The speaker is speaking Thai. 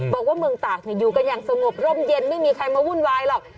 บอกว่าเมืองตากอยู่กันอย่างสงบร่มเย็นไม่มีใครมาวุ่นวายหรอก